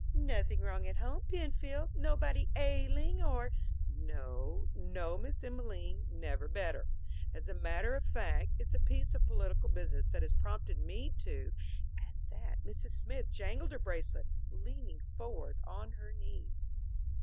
"Nothing wrong at home, Penfield? Nobody ailing or " "No, no, Miss Emelene, never better. As a matter of fact, it's a piece of political business that has prompted me to " At that Mrs. Smith jangled her bracelets, leaning forward on her knees.